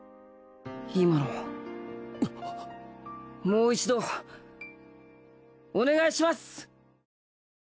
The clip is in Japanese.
今のもう一度お願いします！